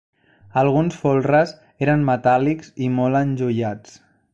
Alguns folres eren metàl·lics i molt enjoiats.